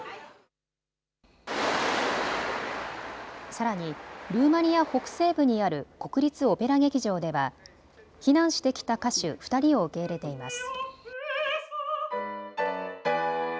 さらに、ルーマニア北西部にある国立オペラ劇場では避難してきた歌手２人を受け入れています。